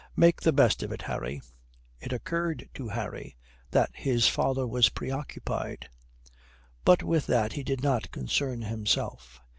Make the best of it, Harry." It occurred to Harry that his father was preoccupied. But with that he did not concern himself.